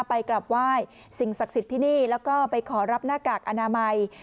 ไปกลับไหว้สิ่งศักดิ์สิทธิ์ที่นี่แล้วก็ไปขอรับหน้ากากอนามัย